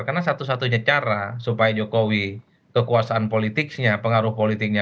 karena satu satunya cara supaya jokowi kekuasaan politiknya pengaruh politiknya kuat